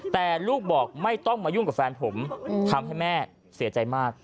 แต่ลูกบอกไม่ต้องมายุ่งกับแฟนผมทำให้แม่เสียใจมาก